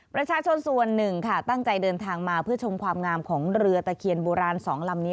ประชาชนส่วนหนึ่งค่ะตั้งใจเดินทางมาเพื่อชมความงามของเรือตะเคียนโบราณสองลำนี้